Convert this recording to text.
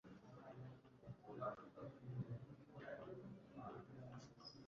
ifunguro gakondo ryabanyamerika ririmo inyama, ibirayi nimboga